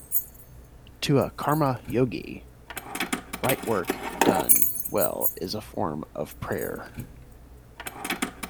To a "karma yogi", right work done well is a form of prayer.